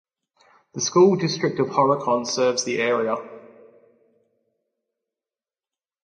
The School District of Horicon serves the area.